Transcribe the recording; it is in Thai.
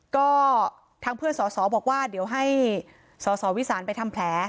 ก็ทางเพื่อนสอสอบอกว่าเดี๋ยวให้สสวิสานไปทำแผล